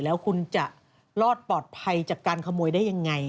แล้วคุณจะรอดปลอดภัยจากการขโมยได้ยังไง